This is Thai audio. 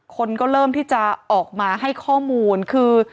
คนก็เริ่มที่จะออกมาให้ข้อมูลคือ